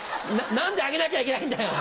何であげなきゃいけないんだよ！